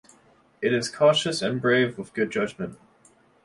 It is cautious and brave with good judgment.